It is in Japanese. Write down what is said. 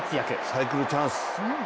サイクルチャンス！